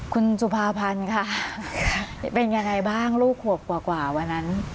คุณสุภาพันธ์ค่ะเป็นยังไงบ้างลูกขวบกว่าวันนั้น